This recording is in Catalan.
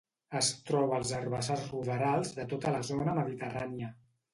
Es troba als herbassars ruderals de tota la zona mediterrània.